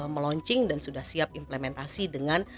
melaunching dan sudah siap implementasi dengan